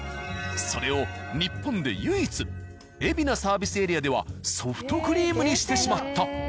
それを日本で唯一海老名サービスエリアではソフトクリームにしてしまった。